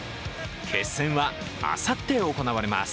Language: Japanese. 決戦はあさって行われます。